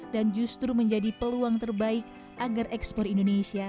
dan justru menjadi peluang terbaik agar ekspor indonesia